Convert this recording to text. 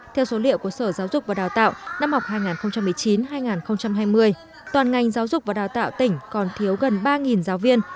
theo số liệu của sở giáo dục và đào tạo năm học hai nghìn một mươi chín hai nghìn hai mươi toàn ngành giáo dục và đào tạo tỉnh còn thiếu gần ba giáo viên